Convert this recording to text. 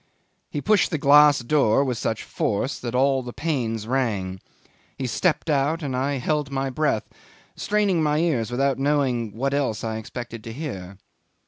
He pushed the glass door with such force that all the panes rang: he stepped out, and I held my breath, straining my ears without knowing what else I expected to hear.